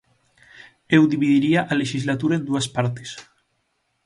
Eu dividiría a lexislatura en dúas partes.